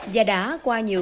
và đã qua nhiều năm